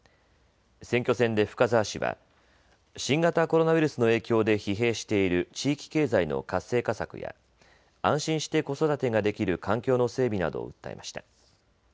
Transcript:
選挙戦で深澤氏は新型コロナウイルスの影響で疲弊している地域経済の活性化策や安心して子育てができる環境の整備などを訴えました。